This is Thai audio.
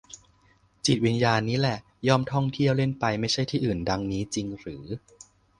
วิญญาณนี้นั่นแหละ ย่อมท่องเที่ยว เล่นไป ไม่ใช่อื่น ดังนี้ จริงหรือ